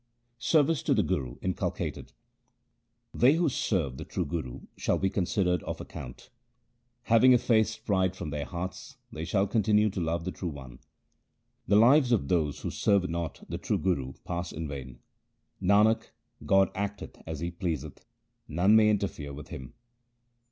Service to the Guru inculcated :— They who serve the true Guru shall be considered of account. Having effaced pride from their hearts they shall continue to love the True One. The lives of those who serve not the true Guru pass in vain. Nanak, God acteth as He pleaseth ; none may interfere with Him.